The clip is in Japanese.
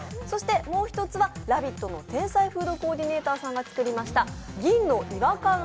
そしてもう一つは「ラヴィット！」の天才フードコーディネーターさんが作りました銀の違和感